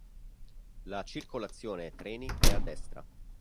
La circolazione treni è a destra.